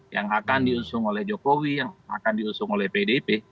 yang akan diusung oleh jokowi yang akan diusung oleh pdip